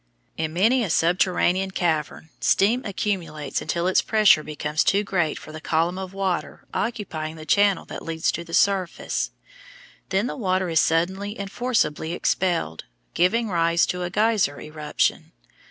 In many a subterranean cavern steam accumulates until its pressure becomes too great for the column of water occupying the channel that leads to the surface; then the water is suddenly and forcibly expelled, giving rise to a geyser eruption.